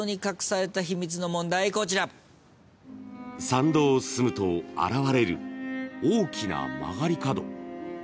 ［参道を進むと現れる大きな曲がり角］